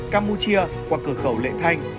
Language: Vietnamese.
campuchia qua cửa khẩu lệ thanh